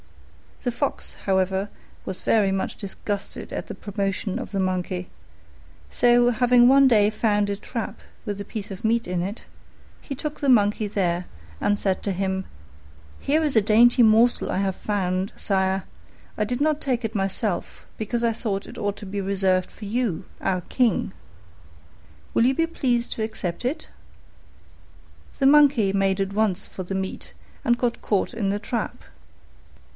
The Fox, however, was very much disgusted at the promotion of the Monkey: so having one day found a trap with a piece of meat in it, he took the Monkey there and said to him, "Here is a dainty morsel I have found, sire; I did not take it myself, because I thought it ought to be reserved for you, our King. Will you be pleased to accept it?" The Monkey made at once for the meat and got caught in the trap.